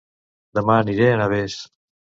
Dema aniré a Navès